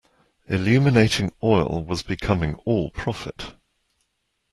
Illuminating oil was becoming all profit.